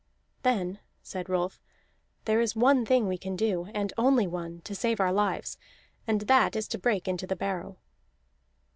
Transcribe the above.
"Then," said Rolf, "there is one thing we can do, and only one, to save our lives; and that is to break into the barrow."